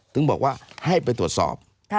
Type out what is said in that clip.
ถึงบอกว่าให้ไปตรวจสอบ